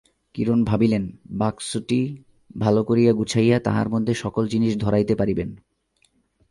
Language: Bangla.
কিরণ ভাবিলেন, বাক্সটি ভালো করিয়া গুছাইয়া তাহার মধ্যে সকল জিনিস ধরাইতে পারিবেন।